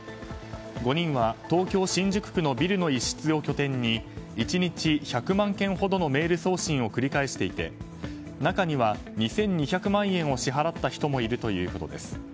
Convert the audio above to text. ５人は、東京・新宿区のビルの一室を拠点に１日１００万件ほどのメール送信を繰り返していて中には２２００万円を支払った人もいるということです。